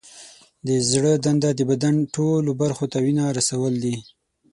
د زړه دنده د بدن ټولو برخو ته وینه رسول دي.